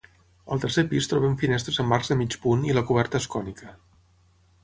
Al tercer pis trobem finestres amb arcs de mig punt i la coberta és cònica.